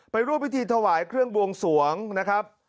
ร่วมพิธีถวายเครื่องบวงสวงนะครับ